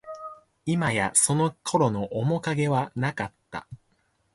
いまや、その頃の面影はなかった